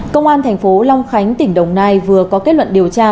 công an thành phố long khánh tỉnh đồng nai vừa có kết luận điều tra